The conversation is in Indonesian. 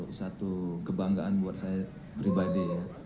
itu satu kebanggaan buat saya pribadi ya